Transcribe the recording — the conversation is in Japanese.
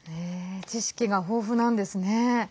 知識が豊富なんですね。